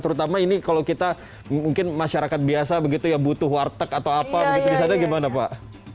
terutama ini kalau kita mungkin masyarakat biasa begitu ya butuh warteg atau apa begitu di sana gimana pak